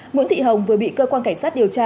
nguyễn thị hồng vừa bị cơ quan cảnh sát điều tra